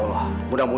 lalu mana lu